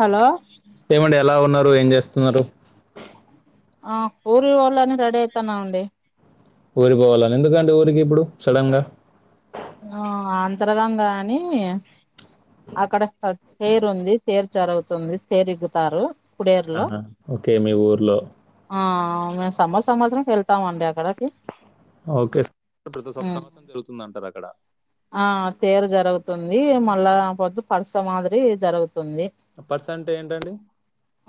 Hello ఏమండి ఎలా ఉన్నారు ఏం చేస్తున్నారు? ఆ హూరికి పోవాలని రెడీ అయితాన్నాం అండి ఊరికిపోవాలని ఎందుకండి ఊరికి ఇప్పుడు సడన్ గా ఆ అంతరగంగ అని అక్కడ తేరు ఉంది తేరు జరువుతుంది తేరుగుతారు పుడు ఇయర్ లో ఆహా. ఓకే మీ ఊర్లో ఆ మేము సంవత్స సంవత్సరంకి వెళ్తాం అండి అక్కడకి ఓకే ప్రతి ఒక్క సంవత్సరం జరుగుతుంది అంటారు అక్కడ ఆ తేరు జరుగుతుంది మళ్ళా పొద్దు పరస మాదిరి జరుగు తుంది పర్స్ అంటే ఏంటండి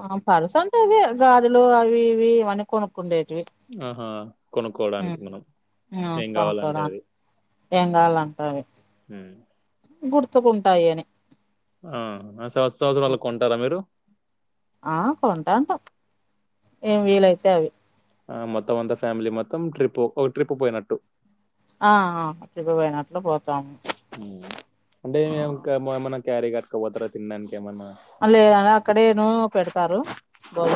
ఆ పరుస అంటె అదె గాజులు అవి ఇవి అన్ని కొనుక్కుండే ఆహా కొనుక్కోవడానికి మనం ఏం కావాలంటే అది ఎం కావాలంటే అవి ఉమ్. గుర్తుకుంటాయి అని ఆ సంవత్స సంవత్సరాళ్ళ కొంటారా మీరు ఆ కొంటాటం ఏం వీలైతే అవి ఆ మొత్తం అంతా ఫ్యామిలీ మొత్తం ట్రిప్ ఒక ట్రిప్ పోయినట్టు ఆ ట్రిప్పపోయినట్లు పోతాము అంటే ఏమన్నా క్యారీ పట్టుక పోతారా తినడానికి ఏమన్నా లేద అక్కడేను పెడతారు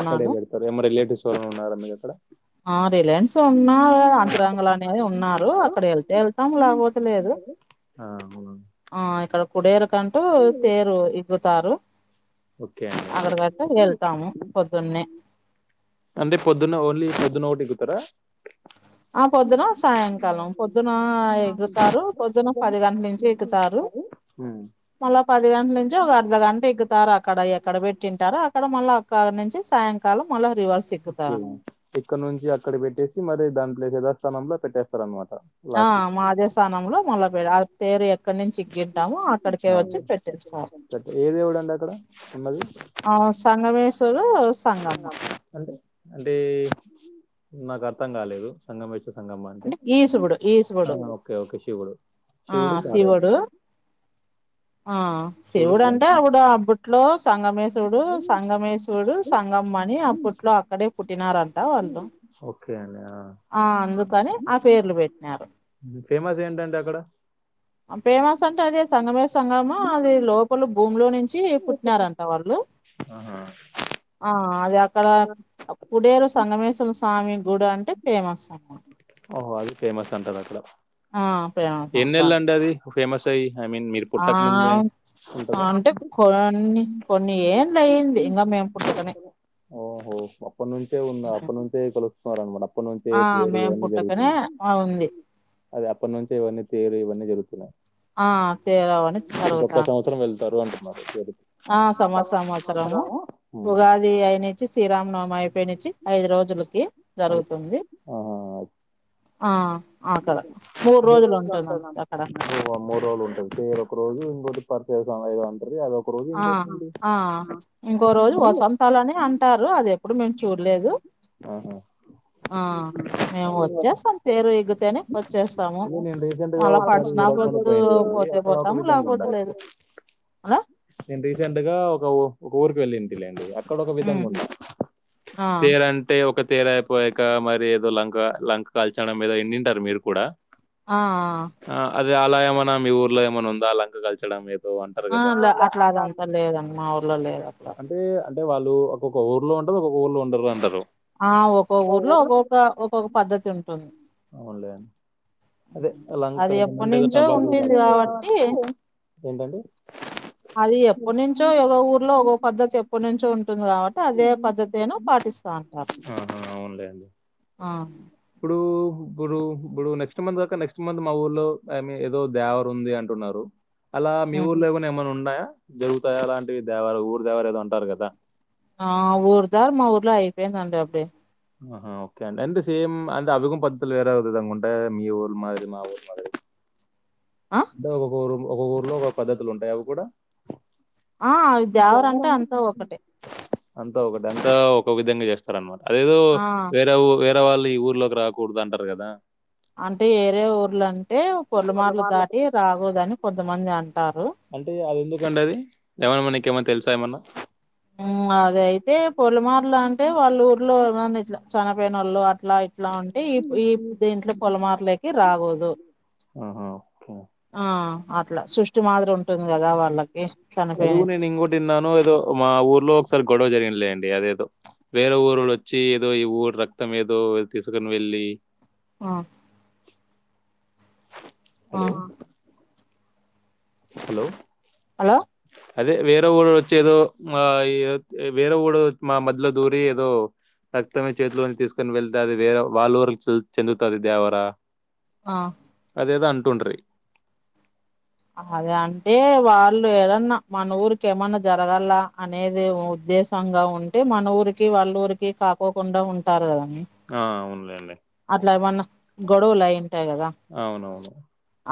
అక్కడే బడతారు ఏమ రిలేటివ్స్ ఉన్నారా మీగక్కడ ఆ రిలయన్స్ ఉన్నా అంతరంగుంలో అనేది ఉన్నారు అక్కడ వెళ్తే వెళ్తాం లేపోతేలేదు ఆ అవును కుడేరు కంటూ తేరు ఇగుతారు ఓకే అండి అక్కడి గట్ట వెళ్తాము పొద్దున్నే అంటే పొద్దున్న ఓన్లీ పొద్దున ఓటెక్కుతరా? ఆ పొద్దున సాయంకాలం పొద్దున ఎగుతారు పొద్దున పది గంటల నుంచి ఎగుతారు ఉ మళ్ళా పది గంటల నుంచి ఒక అర్ధ గంట ఎక్కుతారు అక్కడ ఎక్కడ పెట్టింటారు అక్కడ మళ్ళా పొద్దుగాల నుంచి సాయంత్రం ఉ ఇక్కడ నుంచి అక్కడ పెట్టేసి మరి దాని దగ్గర స్థానంలో పెట్టేస్తారు అన్నమాట. ఆ మా అదే స్థానంలో మొళపేడి తేరు ఎక్క. అక్కడ నుంచి ఇగ్గింటాము అక్కడికే ఆ వచ్చి పెట్టిచుకో వచ్చు పెట్ట ఏ దేవుడు అండి అక్కడ ఉన్నది సంఘవేశ్. అంటే అంటే నాకు అర్థం కాలేదు సంఘ వెష్. జంగమ అంటే ఈసుబుడు ఈసుబుడు ఆహా ఓకే ఓకే శివుడు. ఆ శివుడు. ఆ శివుడు అంటే అప్పుడు అప్పట్లో. సంగమేశ్వరుడు సంగమేశ్వరుడు సంగమ్మని అప్పట్లో అక్కడే పుట్టినరంట వాళ్ళు. ఓకే అండి అందుకని ఆ ఆ పేర్లు పెట్టినారు ఫేమస్ ఏంటండి అక్కడ. ఫేమస్ అంటే అదే సంగమేశ్ సంగమా అది లోపల భూమిలో నుంచి పుట్టినారంట. వాళ్ళు ఆహ. ఆ అది అక్కడ కుడేరు సంగమేశ్వర స్వామి గుడి అంటే ఫేమస్ అన్నమాట. ఓహో అది ఫేమస్ అంటారు అక్కడ. ఆ. ప్రేమ ఎన్నియేళ్ళు సంతానం అండి అది ఫేమస్ అయ్యి. ఐ మీన్ మీరు ఆ పుట్టక ముందే అంటే కొన్ని కొన్ని ఏండ్లు అయింది ఇంగా. మేం పుట్టకనే. ఓహో అప్పటి నుంచే ఉన్న హ్మ్. అప్పటి నుంచే తెలుసుకున్నారు అనమాట అప్పటి నుంచే పేరు మేము ఇవన్నీ పుట్టకనే జరుగుతుంది. ఆ ఉంది. అదిఅప్పటి నుంచే ఇవన్నీ పేరు ఇవన్నీ జరుగుతున్నాయి. ఆ పెరవ్వని ఒక్క జరుగుతాం. సంవత్సరం వెళ్తారు అంటున్నారు తేరుకి ఆ సంవత్స సంవత్సరము ఉమ్. ఉగాది అయ్యినించి శ్రీరామనవమి అయిపో. అయిపోయిన నుంచి ఐదు రోజులకి జరుగుతుంది. ఆ ఆ. అక్కడ మూడు రోజులు ఉంటున్నాం ఉంటది అక్కడ మరి. ఆ మూడు రోజులు ఉంటది పేరు ఒక రోజు ఇంకోటి. ప్రత్యేక సమయం. ఒకరోజు ఆ పడుతది. ఆ ఇంకో రోజు వసంతలని అంటారు అది ఎప్పుడు మేం చూడలేదు. ఆహా. ఆ మేము వచ్చేసాం పేరు. తగ్గితేనే వచ్చేసాము ఇది నేను రీసెంట్ గా మళ్ళ ఒకసారి పడిసినా ఊరవకానికి పద్దు పోయింది పోతే అక్కడ ఒక పోతాము విధంగా ఉండాలి లేకపోతేలేదు. ఆ నేను రీసెంట్ గా ఒక ఒక ఊరికి వెళ్ళింటిలెండి. అక్కడ ఒక విధంగా ఉమ్ కూడా ఆ పేరు అంటే ఒక. తేరయిపోయాక మరి ఏదో లంక లంక కాల్చడం ఏదో ఇనిఉంటారు మీరు కూడా. ఆ ఆ అ ఆ అది అలా ఏమన్నా మీ ఊర్లో ఏమన్నా ఉందా లంక కల్చడం ఏ ఎదో అంటారు కదా ఆ లే ఉందా అట్లా అదంతా లేదండి మా ఊర్లో లేదు అట్లా అంతే ఇగ అంటే వాళ్ళు ఒక్కక్క ఊర్లో ఉంటారు ఒక్క ఊల్లో ఉండరు అంటరు. ఆ ఒక్కొ ఊర్లో ఒక్కొక్క ఒక్కొక్క పద్ధతి ఉంటుంది. అవున్లే అదే ఉమ్. లంక అది ఎప్పటి నుంచో ఉంటుంది కాబట్టి ఏంటండి [inaudible] అది ఎప్పటినుంచో ఏదో ఊర్లో ఒకో పద్దతి ఎప్పటినుంచో ఉంటుంది కాబట్టి అదే పద్దతినో పాటి ఆహా ఉన్నాయండి ఆ ఇప్పుడు ఇప్పుడు ఇప్పుడు నెక్స్ట్ మంత్ దాక నెక్స్ట్ మంత్ మా ఊర్లో ఐ మీన్ ఏదో దేవర్ ఉంది అంటున్నారు. అలా మీ ఉమ్. ఊర్లో ఏమన్నా ఉన్నాయా జరుగుతాయా అలాంటివి దేవార ఊరు దేవారు ఏదో ఉంటారు కదా. ఆ ఊరు దారు మా ఊర్లో అయిపోయిందంట అప్పుడే ఆహా ఓకే అండి అంతే సేమ్ అంట అదుగం బత్తులు వేరే విధంగా ఉంటాయ్. మీ ఊర్ మాదిరి మా ఊర్ మాదిరి ఆ అంటే ఒక ఊరు ఒక ఊర్లో ఒక పద్ధతులు ఉంటాయి అవి కూడా. ఆ దేవర అంటే అంత ఒకటే. అంతా ఒకటే అంతా ఒక విధంగా చేస్తారు అనమాట అదేదో ఆ వేరే ఊ వేరే అంటే వాళ్ళి ఈ ఊర్లోకి రాకూడదు అంటారు కదా. అంటే ఏరే ఊర్లు అంటే పొలమార్లు దాటి రాగదుని కొంతమంది అ అంటే అది ఎందుకండి అది ఏమన్నా మనకేమన్నా తెలుసా ఏమన్నా. ఊ అద అయితే పులమార్లు అంటే వాళ్ళ ఊర్లో ఏమన్నా ఇట్లా చనిపోయిన వాళ్ళు అ ఇట్లా ఇట్లా ఉంటే ఈ ఈ దీంట్లో పొలమార్లేకి రాగోదు. ఆహా ఓ అట్లా సృష్టి మాదిరిం అది కూడా నేను ఇంకొటిన్నాను ఏదో మా ఊరు ఊ లో ఒకసారి గొడవ జరిగినలెండి అదెదో వేరే ఊరోళ్లు వచ్చి ఏదో ఈ ఊరు రక్తం ఏదో తీసుకు వెళ్ళి ఆ ఆ హలో హలో హలో అదే వేరే ఊరోడు వచ్చి ఏదో మ ఇ ఆ వేరే ఊరోడు మా మద్యలో దూరి ఏదో రక్తమే చేతిలోని తీసుకొని వెళ్తది వేరే వాళ్ళుఊర చెందుతాది దేవరా ఆ దేదా అంటుండ్రి అదే అంటే వాళ్ళు ఏదన్నా మన ఊరికి ఏమన్నా జరగాల అనేది ఉద్దేశ సంగా ఉంటే మన ఊరికి వాళ్ళ ఊరికి కాకోకుండా ఉంటారు కదా. ఆ అవునులేండి ఏమన్నా గొడవలు అయింటాయి కదా స్ అవునవును.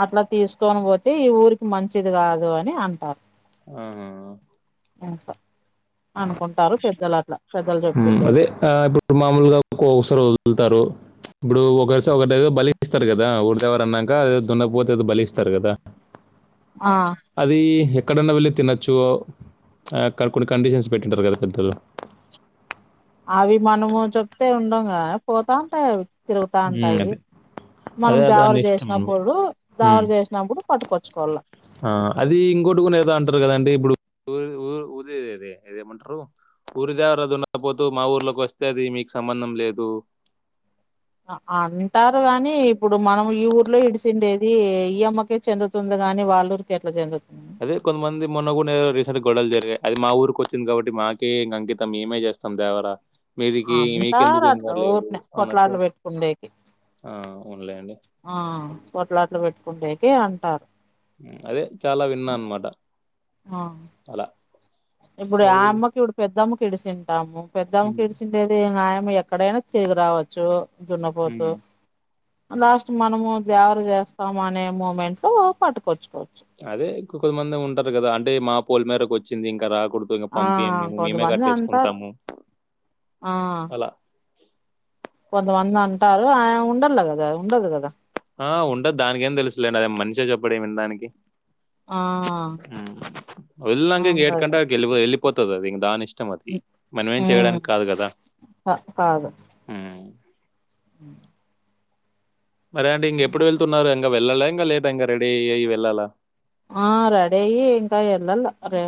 అట్లా తీసుకని పో దే ఈ ఊరికి మంచిది కాదు అని అంటారు. ఆహ హ యప్పా ఉ చెప్పిండేది అదే ఆ ఇప్పుడు మామూలుగా ఒక్కొసారి వదులుతారు. ఇప్పుడు ఒకరిస ఒకటి బలికి ఇస్తారు కదా ఊరి దేవర అన్నా గ అదేదో దున్నపోత ఏదో బలిస్తారు కదా ఆ అది ఎక్కడన్నా వెళ్ళి తినొచ్చు అక్కడ కొన్ని కండిషన్స్ పెట్టింటారు కదా పెద్దలు. అవి మనము చెప్తే ఉండంగా పోతా ఉంటాయి అవి తిరుగుతా ఉమ్, ఉంటాయి. అదే మనం అదే దేవర దాని ఇష్టం అనమాట చేసినప్పుడు దావర ఉమ్, చేసినప్పుడు పట్టుకొచ్చుకోవాల. ఆ అది ఇంకోటికునే ఏదో అంటారు కదండి ఇప్పుడు ఊఊ ఊరి ఇదేమంటరు ఊరు దేవర దున్నపోతు మా ఊర్లోకి వస్తే అది మి క్ సంబంధం లేదు. ఆ అంటారు గాని ఇప్పుడు మనం ఈ ఊర్లో ఇడిసిండేది, ఈ అమ్మకే చెందుతుంది గాని వాళ్ళూరికి ఎట్ల చెందు అదే కొంతమంది మొన్న గూన రీసెంట్ గొడలు జరిగా. అది మా ఊరికి వచ్చంది కాబట్టి మాకే ఇంక అంకితం, మేమే జ స్తం దావర మీదికి అంటారు మీకెందుకు ఏం అట్లా కర్లేదు ఊరినే అన్నట్టు, కొట్లాట్లు పెట్టుకుండేకి ఆ అవున్లెండి. ఆ కొట్లాటలు పెట్టుకుండేకి అంటారు. అదే చాలా విన్నా అన్మాట ఆ అలా ఇప్పుడు మా ఆ ఊర్లో అమ్మకి ఇప్పుడు పెద్దమ్మకిడిచింటాము హ్మ్. పెద్దమ్మకిడిచిండేది అయ్ మి ఎక్కడైనా తిరిగి రావచ్చు దున్నపోతూ హ్మ్. లాస్ట్ మనము దేవర చేస్తాం అనే మూమెంట్ లో పట్టుకొచ్చు. అదే కొ కొద్దిమంది ఉంటారు కదా, అంటే మా పోలిమేరకు వచ్చింది ఇంకా రాకు. పుడు ఇగ ఆ పంపియము మేము, మేమే కొంతమంది అంటారు కట్టేసుకుంటాము ఆ అలా. కొంతమంది అంటారు ఆ ఉండలా కదా ఉండదు కదా. ఆ! ఉంటది దానికేం తెలుసులేండి. అది మనిషే ఆ ఉమ్ ఆ, వెళ్లంక ఇక ఉండదు ఏడికంటే ఆడికి వెళ్లిపో వెళ్లిపోతది అది, ఇంక దాని ఇష్టం అది. మనం ఏం చేయడానికి కాదు కదా. క కాదు హు మరే అండి ఇంగెప్పుడు వెళ్తున్నారు? ఇంగ వెళ్లాలా ఇంకా లేట్ ఇంక రెడీ అయ్యి వెళ్లాలా? ఆ రెడీ అయి ఇంక ఎళ్లాల, రే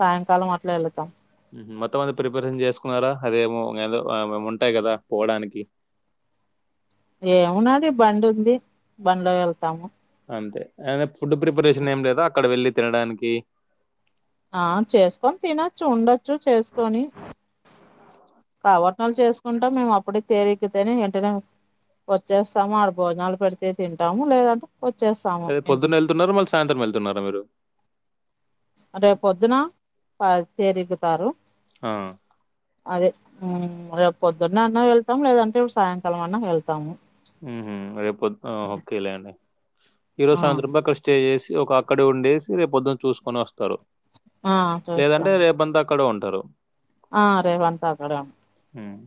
సాయంకాలం అట్ల ఎలూతం. ఉహూ మొత్తం అంతా ప్రిపరేషన్ చేసుకున్నారా, అదేమో ఏదో ఉంటాయి కదా పోవడానికి? [inaudible] ఏమున్నాది, బండి ఉంది బండ్లో వెళ్తాము. అంతే అ ఫుడ్ ఆ ప్రిపరేషన్ ఏం లేదా అక్కడ వెళ్లి తినడానికి? ఆ చేస్కొని తినొచ్చు, ఉండొచ్చు చేస్కొని. కావట్నలు చేసుకుంటాం మేము అప్పుడే తేరు ఎక్కితేనే ఏంటనే వచ్చేస్తాము, ఆడ భోజనాలు పెడితే తింటాము. లేదంటే వచ్చేస్తాము రేప్ పొద్దున్న ఇంటికి. వెళ్తున్నార, మలి సాయంత్రం వెళ్తున్నారా మీరు? రేపు పోద్దున ప తేరు ఇగ్గుతారు. అ అదే రేపు పొద్దున్నే అన్న వెళ్తం, లేదంటే ఇపుడు సాయంకాలం అన్నా వెళ్తాము. ఉహు రేపు పోద్, ఆ ఓకేలే అండి ఈరోజు ఆ! సాయంత్రం అక్కడ స్టే చేసి ఒక అక్కడ ఉండేసి, రేపు పొద్దున చూసుకొని వస్తారు. ఆ! లేదంటే చూసుకోం. రేపంతా అక్కడే ఉ టరు ఆ రేపంతా అక్కడే ఉమ్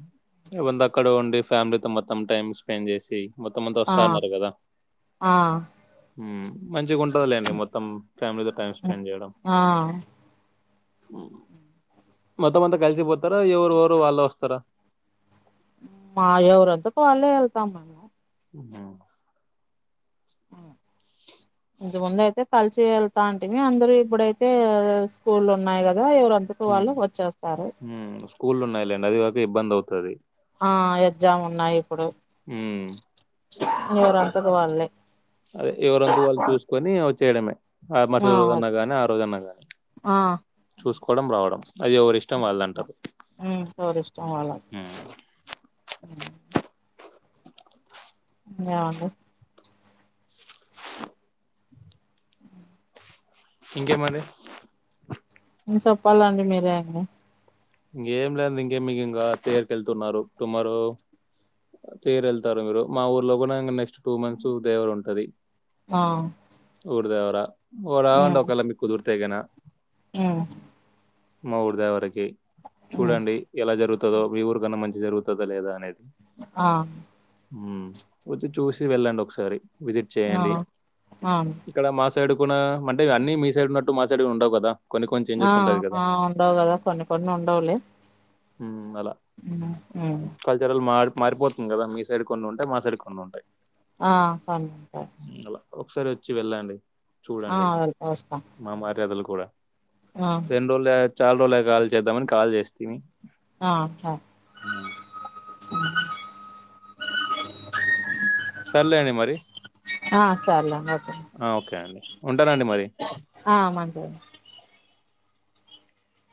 రేపంతా అక్కడే ఉండి, ఫ్యామిలీతో మొత్తం టైం స్పెండ్ చేసి మొత్తం అంతా ఆ! వస్తాన్నారు కదా ఆ! మ్ మంచిగా ఉంటది లేండి మొత్తం, ఫ్యామిలీతో టైం హ్మ్. స్పెండ్ చేయడం. ఆ! మొత్తం అంత కలిసిపోతారా, ఎవరు ఎవరు వాళ్లే వస్తారా? మా ఎవరంతకు వాళ్లె వెళ్తాం మేము ఉమ్ ఇంతకు ముందు అయితే కలిసి వెళ్తాంటిమి, అందులో ఇప్పుడైతే స్కూల్లు ఉన్నాయి క గా ఎవరు అంతట హ్మ్. వాళ్లు వచ్చేస్తారు. హ్మ్. స్కూళ్ళున్నాయిలేండి. అది గాక ఇబ్బందవుతది ఆ ఎగ్జామ్ ఉన్నాయి ఇప్పుడు. హ్మ్. ఎవరంతట వాళ్లే అదే ఎవరంతు వాళ్లు చూసుకొని వచ్చేయడమే ఆ మరుసటి రోజున్నా గానీ, ఆ రోజన్నా గానీ. ఆ చూసుకోవడం, రావడం, అది ఎవరిష్టం వాళ్ళదంటారు. ఇష్టం వాళ్ల హ్మ్. ఉ ఇంగా ఏమండి ఇంకే మరి చెప్పాలండి మీరే ఇంగా ఇంకేం లేదు ఇంకే మీకు ఇంకా తీగరి కెళ్తున్నారు టుమారో తేరు వెళ్తారు మీరు మా ఊర్లో కూడా ఇంగ నెక్స్ట్ టూ మంత్స్ దేవర ఉంటది అ ఊరి దేవరా ఓ రావండి ఒకేవేళ మీకు కుదురితే గినా మ్ మా ఊరు దేవరకి ఉమ్ చూడండి ఎలా జరుగుతుందో మీ ఊరికన్నా మంచి జరుగుతుందో లేదా అనేది ఆ ఉమ్ వచ్చి చూసి వెళ్ళండి ఒక్కసారి. విజిట్ ఆ చేయండి. ఆ ఇక్కడ మా స్ సైడ్ కూడా అంటే అన్నీ మీ సైడ్ ఉన్నట్టు మా సైడ్ ఉండవు కదా కొన్ని కొన్ని ఆ చేంజెస్ ఉంటది కదా ఆ ఉండవు కదా కొన్ని కొన్ని ఉండవులే ఉమ్ అలా ఉమ్ ఉమ్ కల్చర్ల్ మా మారిపోతుంది కదా మీ సైడ్ కొన్ని ఉంటాయి మా సైడ్ కొన్ని ఉంటాయి ఆ సరే సరే మ్మ్. అలా ఒకసారి వచ్చి వెళ్ళండి ఆ చూడండి వెళ్తా వస్తాం మా మర్యాదలు కూడా ఆ ఎన్ని రోజులు ఆయా చాలా రోజులు ఆయా కాల్ చేద్దామని కాల్ చేస్తని ఆ అ సర్లేండి మరి సర్లేమో [inaudible] అ ఓకే అండి ఉంటానండి మరి ఆ మంచిదండి